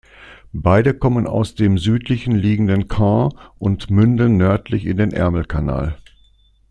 Beide kommen aus dem südlich liegenden Caen und münden nördlich in den Ärmelkanal.